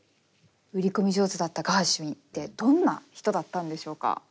売り込み上手だったガーシュウィンってどんな人だったんでしょうか？